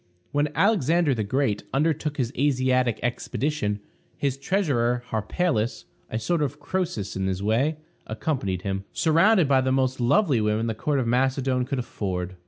When Alexander the Great undertook his Asiatic expedition, his treasurer, Harpalus, a sort of Croesus in his way, accompanied him, surrounded by the most lovely women the court of Macedon could afford.